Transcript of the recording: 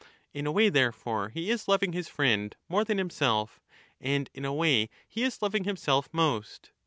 In a way, therefore, he is loving his friend more than himself, and in a way he is 15 loving himself most.